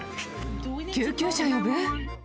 救急車呼ぶ？